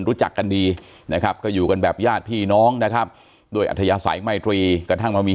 รู้จักกันดีนะครับก็อยู่กันแบบญาติพี่น้องนะครับด้วยอัธยาศัยไมตรีกระทั่งมามี